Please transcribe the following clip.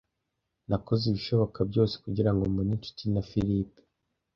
Nakoze ibishoboka byose kugirango mbone inshuti na Philip .